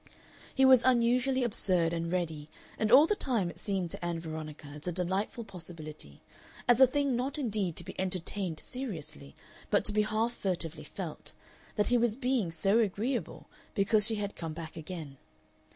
He was unusually absurd and ready, and all the time it seemed to Ann Veronica as a delightful possibility, as a thing not indeed to be entertained seriously, but to be half furtively felt, that he was being so agreeable because she had come back again.